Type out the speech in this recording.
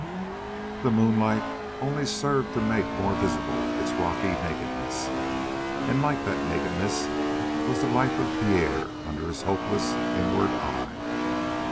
The moonlight only served to make more visible its rocky nakedness, and like that nakedness was the life of Pierre under his hopeless inward eye.